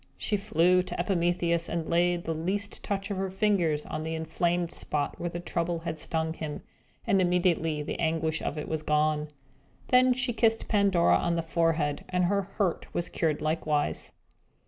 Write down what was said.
She flew to Epimetheus, and laid the least touch of her finger on the inflamed spot where the Trouble had stung him, and immediately the anguish of it was gone. Then she kissed Pandora on the forehead, and her hurt was cured likewise.